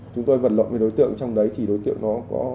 chúng tôi vật lộn với đối tượng trong đấy thì đối tượng đó có